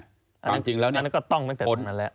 อันนั้นก็ต้องตั้งแต่ตอนนั้นแหละ